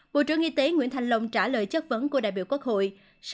bộ trưởng y tế nguyễn thành long trả lời chất vấn của đại biểu quốc hội